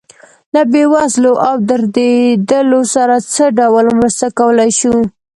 له بې وزلو او دردېدلو سره څه ډول مرسته کولی شو.